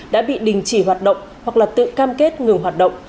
đã bị đình chỉ hoạt động hoặc là tự cam kết ngừng hoạt động